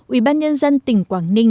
ubnd tỉnh quảng ninh